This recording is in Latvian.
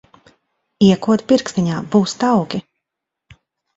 Iekod pirkstiņā, būs tauki.